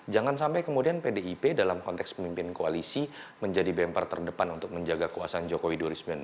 jangan sampai kemudian pdip dalam konteks pemimpin koalisi menjadi bemper terdepan untuk menjaga kekuasaan jokowi dua ribu sembilan belas